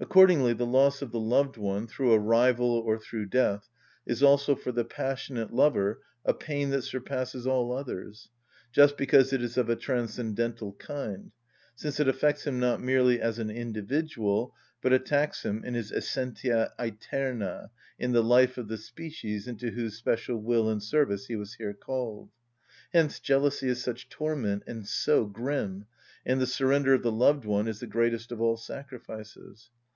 5. Accordingly the loss of the loved one, through a rival, or through death, is also for the passionate lover a pain that surpasses all others, just because it is of a transcendental kind, since it affects him not merely as an individual, but attacks him in his essentia æterna, in the life of the species into whose special will and service he was here called. Hence jealousy is such torment and so grim, and the surrender of the loved one is the greatest of all sacrifices.